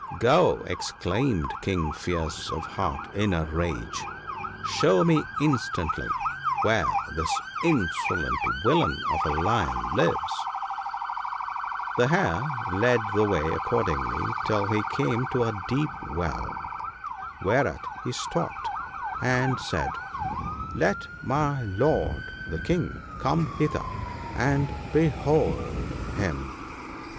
* Go,' exclaimed King Fierce of heart in a rage ;' show me, instantly, where this insolent villain of a lion lives/ " The Hare led the way accordingly till he came to a deep well, whereat he stopped, and said, ' Let my lord the King come hither and behold him.'